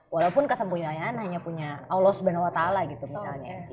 walaupun kesempurnaan hanya punya allah subhanahu wa ta'ala gitu misalnya